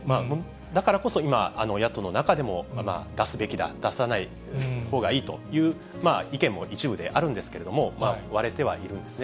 だからこそ今、野党の中でも、出すべきだ、出さないほうがいいという意見も一部であるんですけれども、割れてはいるんですね。